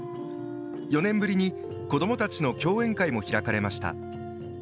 ４年ぶりに子どもたちの競演会も開かれました。